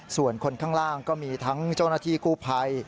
ส่วนคนข้างล่างก็มีทั้งเจ้าหน้าที่กู้ภัย